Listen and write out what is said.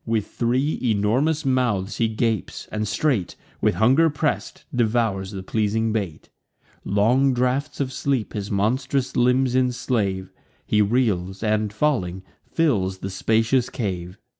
With three enormous mouths he gapes; and straight, With hunger press'd, devours the pleasing bait. Long draughts of sleep his monstrous limbs enslave; He reels, and, falling, fills the spacious cave.